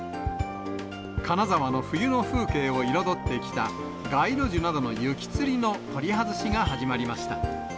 金沢の冬の風景を彩ってきた街路樹などの雪つりの取り外しが始まりました。